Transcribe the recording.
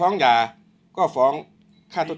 ช่างแอร์เนี้ยคือล้างหกเดือนครั้งยังไม่แอร์